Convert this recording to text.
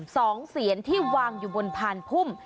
เสียนที่วางอยู่บนพานพุ่ม